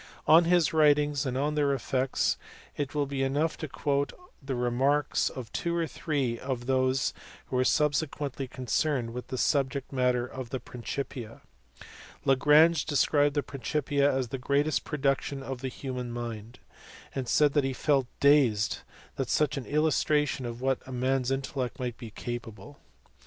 On his writings and on their effects, it will be enough to quote the remarks of two or three of those who were subsequently concerned with the subject matter of the Principia. Lagrange described the Principia as the greatest production of the human mind, and said he felt dazed at such an illustration of what man s intellect might be capable.